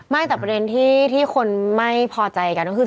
ไม่แต่ประเด็นที่คนไม่พอใจกันก็คือ